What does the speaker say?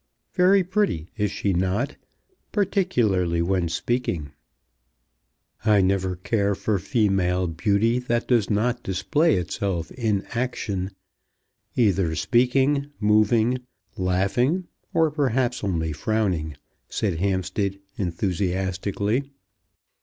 "Very pretty, is she not; particularly when speaking? "I never care for female beauty that does not display itself in action, either speaking, moving, laughing, or perhaps only frowning," said Hampstead enthusiastically.